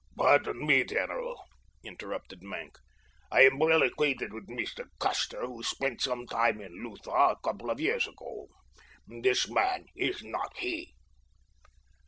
"Pardon me, general," interrupted Maenck. "I am well acquainted with Mr. Custer, who spent some time in Lutha a couple of years ago. This man is not he."